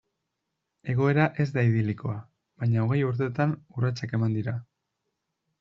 Egoera ez da idilikoa, baina hogei urtetan urratsak eman dira.